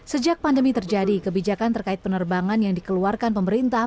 sejak pandemi terjadi kebijakan terkait penerbangan yang dikeluarkan pemerintah